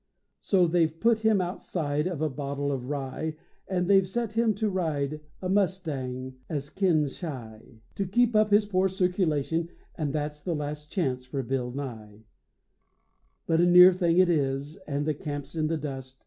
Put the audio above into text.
So they've put him outside Of a bottle of Rye, And they've set him to ride A mustang as kin shy, To keep up his poor circulation; and that's the last chance for Bill Nye. But a near thing it is, And the camp's in the dust.